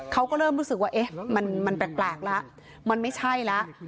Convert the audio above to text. เขาก็เริ่มรู้สึกว่าเอ๊ะมันแปลกละมันไม่ใช่ละ